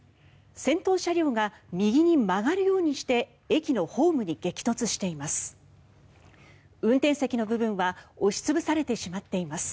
先頭車両が右に曲がるようにして駅のホームに激突しています。